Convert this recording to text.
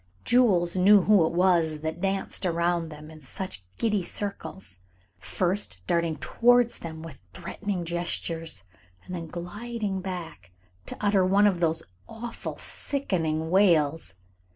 Jules knew who it was that danced around them in such giddy circles, first darting towards them with threatening gestures, and then gliding back to utter one of those awful, sickening wails.